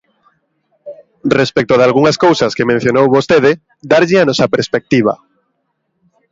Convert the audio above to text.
Respecto dalgunhas cousas que mencionou vostede, darlle a nosa perspectiva.